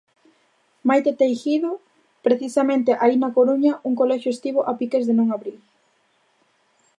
Maite Teijido, precisamente aí na Coruña, un colexio estivo a piques de non abrir.